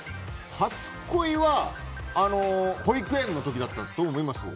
初恋は保育園の時だったと思います。